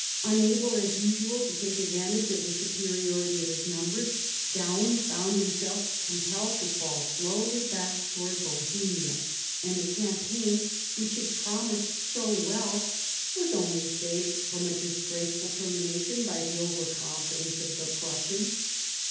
Unable as usual to take advantage of the superiority of his numbers, Daun found himself compelled to fall slowly backward towards Bohemia, and the campaign which had promised so well was only saved from a disgraceful termination by the over confidence of the Prussians.